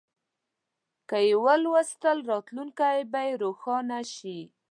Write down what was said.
که یې ولوستل، راتلونکی به روښانه شي.